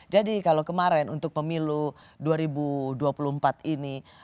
jadi kalau kemarin untuk pemilu dua ribu dua puluh empat ini